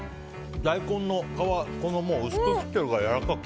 大根が薄く切ってあるからやわらかくて。